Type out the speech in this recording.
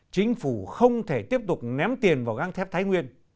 chính phủ không thể tiếp tục ném tiền vào găng thép thái nguyên